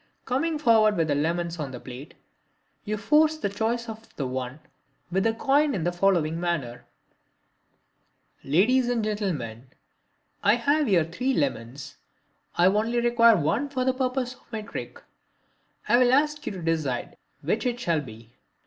Coming forward with the lemons on the plate, you force the choice of the one with the coin in the following manner: "Ladies and Gentlemen, I have here three lemons. I only require one for the purpose of my trick and I will ask you to decide which it shall be.